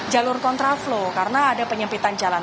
jalur kontra flow karena ada penyempitan jalan